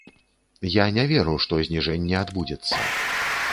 Я не веру, што зніжэнне адбудзецца.